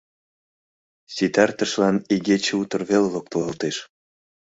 Ситартышлан игече утыр веле локтылалтеш.